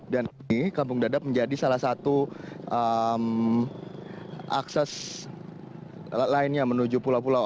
dan ini kampung dadap menjadi salah satu akses lainnya menuju pulau pulau